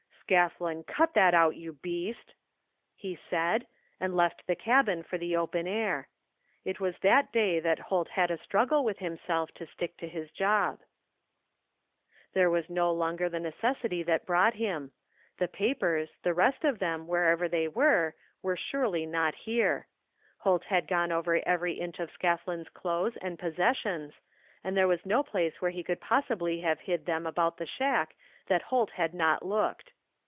" Scathlin, cut that out, you beast !" he said, and left the cabin for the open air. It was that day that Holt had a struggle with himself to stick to his job. There was no longer the necessity that brought him. 136 THE FINDING OP JASPER HOLT The papers, the rest of them, wherever they were, were surely not here. Holt had gone over every inch of Scathlin's clothes and possessions, and there was no place where he could possibly have hid them about the shack that Holt had not looked.